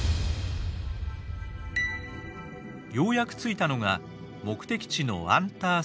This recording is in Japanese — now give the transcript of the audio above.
ようやく着いたのが目的地のアンターセー湖。